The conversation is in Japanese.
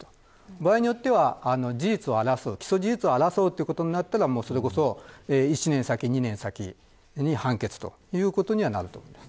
場合によっては起訴事実を争うことになれば１年先、２年先に判決ということになると思います。